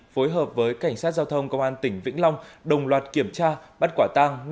phối hợp với cảnh sát giao thông công an tỉnh vĩnh long đồng loạt kiểm tra bắt quả tang